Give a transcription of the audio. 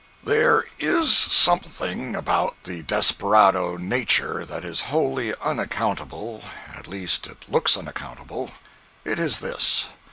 095.jpg (48K) There is something about the desperado nature that is wholly unaccountable—at least it looks unaccountable. It is this.